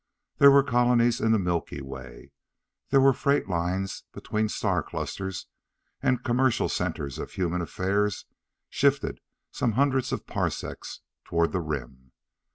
There were colonies in the Milky Way. There were freight lines between star clusters, and the commercial center of human affairs shifted some hundreds of parsecs toward the Rim.